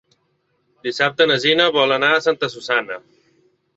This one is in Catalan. Dissabte na Gina vol anar a Santa Susanna.